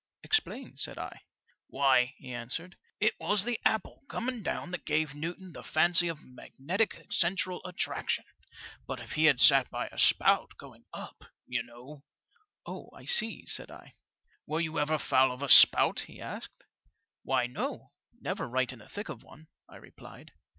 " Explain," said L "Why," he answered, "it was the apple coming down that gave Newton the fancy of a magnetic central attraction ; but if he had sat by a spout going up, you know "" Oh, I see," said I. " Were you ever foul of a spout ?" he asked. Why, no; never right in the thick of one," I replied.